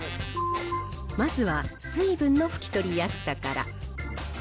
まずは、水分の拭き取りやすさから。